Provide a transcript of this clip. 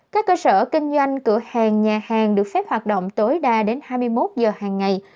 các cơ sở kinh doanh cửa hàng nhà hàng được phép hoạt động tối đa đến hai mươi một giờ hàng ngày